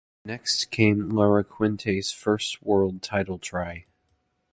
Next came Laracuente's first world title try.